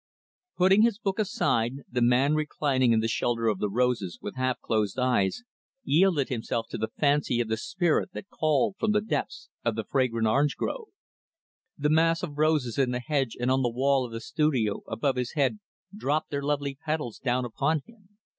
Putting his book aside, the man reclining in the shelter of the roses, with half closed eyes, yielded himself to the fancy of the spirit that called from the depths of the fragrant orange grove. The mass of roses in the hedge and on the wall of the studio above his head dropped their lovely petals down upon him.